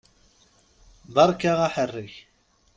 Beṛka aḥerrek!